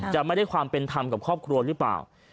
จะไม่ได้ความเป็นธรรมกับครอบครัวหรือเปล่า